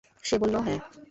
সে বলল, হ্যাঁ।